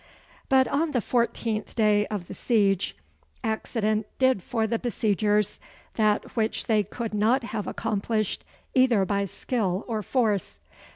But on the fourteenth day of the siege, accident did for the besiegers that which they could not have accomplished either by skill or force.